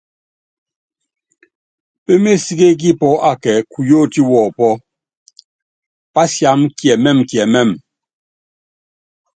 Pémésíkékí pɔ́ akɛ kuyótí wɔpɔ́, pásiáma kiɛmɛ́mɛkiɛmɛ́mɛ.